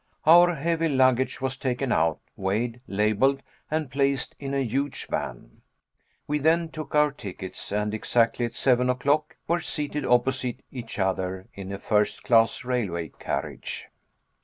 Our heavy luggage was taken out, weighed, labeled, and placed in a huge van. We then took our tickets, and exactly at seven o'clock were seated opposite each other in a firstclass railway carriage.